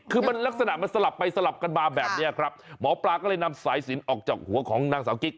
คือมันลักษณะมันสลับไปสลับกันมาแบบนี้ครับหมอปลาก็เลยนำสายสินออกจากหัวของนางสาวกิ๊ก